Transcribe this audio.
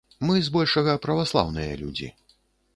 Мы збольшага праваслаўныя людзі.